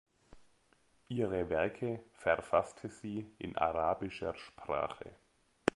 Ihre Werke verfasste sie in arabischer Sprache.